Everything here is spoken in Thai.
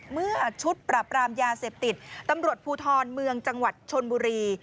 เมื่อชุดปราบรามยาเสพติดตำรวจภูทรเมืองจังหวัดชนบุรี